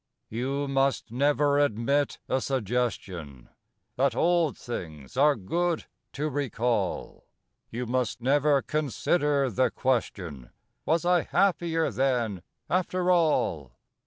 You must never admit a suggestion That old things are good to recall; You must never consider the question: 'Was I happier then, after all?